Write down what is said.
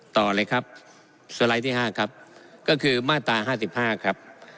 ต่อเลยครับสไลด์ที่๕ครับก็คือมาตรา๕๕ครับ